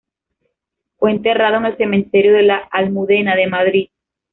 Fue enterrado en el cementerio de la Almudena de Madrid.